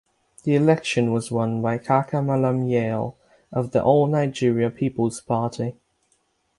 The election was won by Kaka Mallam Yale of the All Nigeria Peoples Party.